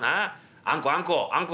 あんこあんこあんこ」。